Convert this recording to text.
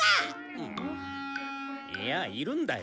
うん？いやいるんだよ。